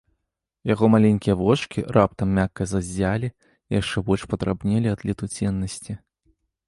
Яго маленькія вочкі раптам мякка заззялі і яшчэ больш падрабнелі ад летуценнасці.